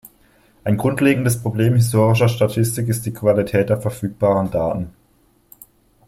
Ein grundlegendes Problem historischer Statistik ist die Qualität der verfügbaren Daten.